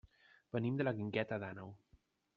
Venim de la Guingueta d'Àneu.